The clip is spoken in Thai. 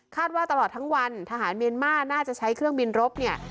ว่าตลอดทั้งวันทหารเมียนมาร์น่าจะใช้เครื่องบินรบเนี่ย